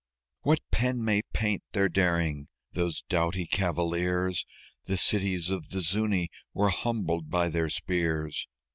What pen may paint their daring those doughty cavaliers! The cities of the Zuñi were humbled by their spears.